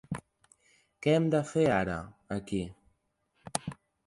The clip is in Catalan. Què hem de fer ara, aquí?